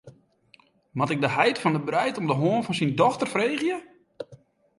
Moat ik de heit fan de breid om de hân fan syn dochter freegje?